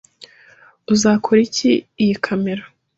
Uzakora iki iyi kamera?